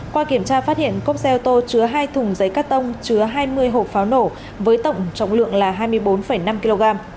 qua kiểm tra phát hiện cốc xe ô tô chứa hai thùng giấy cắt tông chứa hai mươi hộp pháo nổ với tổng trọng lượng là hai mươi bốn năm kg